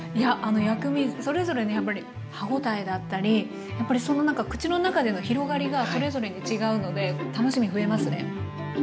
薬味それぞれねやっぱり歯応えだったりやっぱりなんか口の中での広がりがそれぞれに違うので楽しみ増えますね。